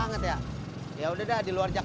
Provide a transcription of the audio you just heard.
yang mahal apa yang murah yang murah aja dah